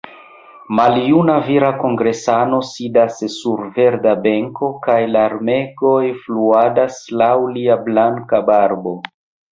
Maljuna vira kongresano sidas sur verda benko kaj larmegoj fluadas laŭ lia blanka barbo.